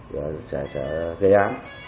rồi trả giá